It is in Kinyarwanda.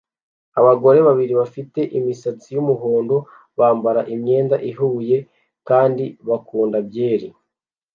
Abagore babiri bafite imisatsi yumuhondo bambara imyenda ihuye kandi bakunda byeri